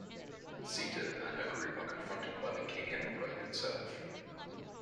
Sita and her group are confronted by the King-Emperor himself.